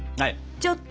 ちょっと！